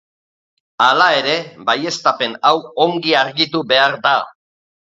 Hala ere, baieztapen hau ongi argitu behar da.